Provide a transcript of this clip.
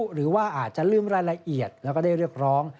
หรือว่าอาจจะลืมรายละเอียดแล้วก็ได้เรียกร้อง